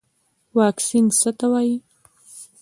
واکسین څه ته وایي